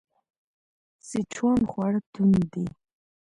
سیچوان خواړه توند دي.